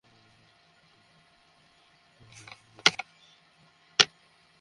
নিখোঁজ যাত্রীদের স্বজনেরা চার দিন অপেক্ষা করে অনেকেই মাওয়া থেকে চলে গেছেন।